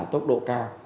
tốc độ cao